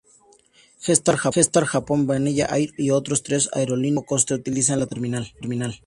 Jetstar Japan, Vanilla Air y otras tres aerolíneas de bajo coste utilizan la terminal.